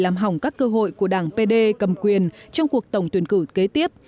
có thể làm hỏng các cơ hội của đảng pd cầm quyền trong cuộc tổng tuyển cử kế tiếp